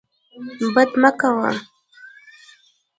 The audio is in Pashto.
بد مه کوه.